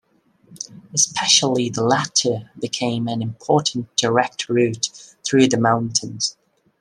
Especially the latter became an important direct route through the mountains.